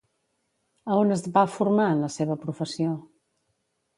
A on es va formar en la seva professió?